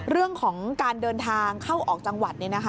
เรื่องของการเดินทางเข้าออกจังหวัด